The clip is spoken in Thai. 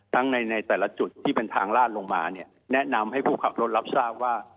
ในในแต่ละจุดที่เป็นทางลาดลงมาเนี่ยแนะนำให้ผู้ขับรถรับทราบว่า